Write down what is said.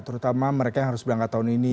terutama mereka yang harus berangkat tahun ini